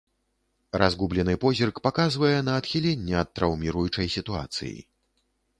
Разгублены позірк паказвае на адхіленне ад траўміруючай сітуацыі.